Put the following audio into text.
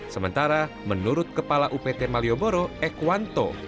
sementara menurut kepala upt malioboro ekwanto